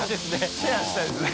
シェアしたいですね。